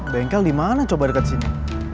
bengkel dimana coba deket sini